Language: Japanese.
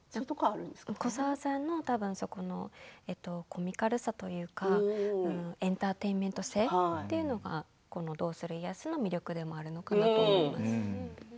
古沢さんの多分コミカルさというかエンターテインメント性というのがこの「どうする家康」の魅力でもあるのかなと思います。